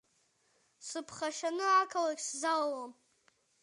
Сыԥхашьаны ақалақь сзалалом.